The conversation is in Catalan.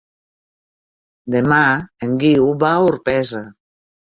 Demà en Guiu va a Orpesa.